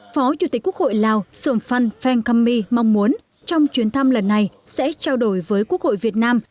phó chủ tịch quốc hội lào sường phan pheng kham my mong muốn trong chuyến thăm lần này sẽ trao đổi với quốc hội việt nam